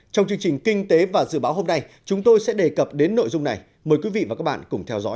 trong chương trình kinh tế và dự báo hôm nay chúng tôi sẽ đề cập đến nội dung này mời quý vị và các bạn cùng theo dõi